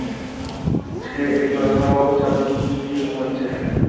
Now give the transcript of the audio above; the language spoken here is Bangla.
সে এই গরমেও চাদর মুড়ি দিয়ে ঘুমাচ্ছে।